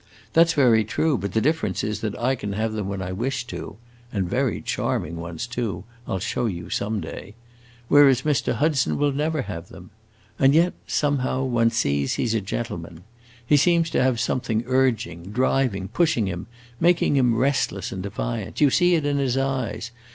That 's very true, but the difference is that I can have them when I wish to (and very charming ones too; I 'll show you some day); whereas Mr. Hudson will never have them. And yet, somehow, one sees he 's a gentleman. He seems to have something urging, driving, pushing him, making him restless and defiant. You see it in his eyes.